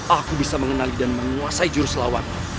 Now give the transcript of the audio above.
aku bisa mengenali dan menguasai jurus lawannya